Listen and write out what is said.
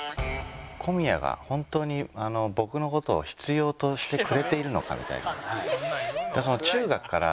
小宮が本当に僕の事を必要としてくれているのかみたいな。